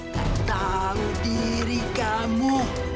tahu diri kamu